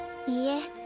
いいえ